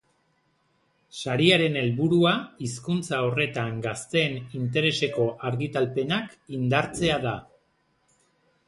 Sariaren helburua hizkuntza horretan gazteen intereseko argitalpenak indartzea da.